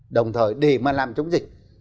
đồng thời để mà làm chống dịch